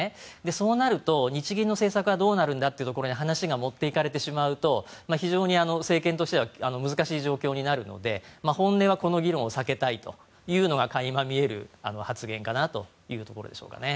そうなると日銀の政策はどうなるんだというところに話が持っていかれてしまうと非常に政権としては難しい状況になるので、本音はこの議論を避けたいというのが垣間見える発言かなというところでしょうかね。